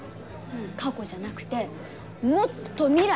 過去じゃなくてもっと未来！